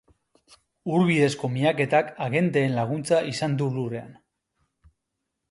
Ur bidezko miaketak agenteen laguntza izan du lurrean.